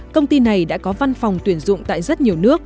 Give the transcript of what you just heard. công ty này đã có văn phòng tuyển dụng tại rất nhiều nước